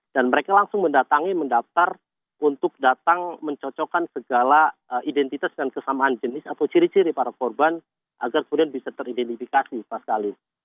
dan mereka langsung mendatangi mendaftar untuk datang mencocokkan segala identitas dan kesamaan jenis atau ciri ciri para korban agar kemudian bisa teridentifikasi pas kali